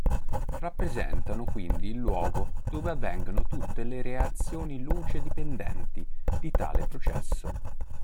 Rappresentano quindi il luogo dove avvengono tutte le reazioni luce-dipendenti di tale processo.